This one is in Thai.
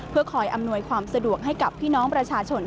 เพื่อคอยอำนวยความสะดวกให้กับพี่น้องประชาชน